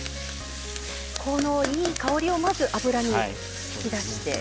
このいい香りをまず油に引き出して。